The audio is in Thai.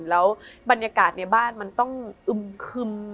แล้วบรรยากาศในบ้านมันต้องอึมคึม